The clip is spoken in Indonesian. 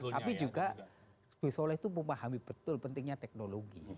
tapi juga gus solah itu memahami betul pentingnya teknologi